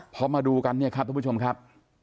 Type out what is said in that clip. พอมาดูกันเนี่ยครับทุกผู้ชมครับ